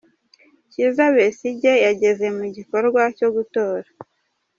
Kiza Besigye yageze mu gikorwa cyo gutora.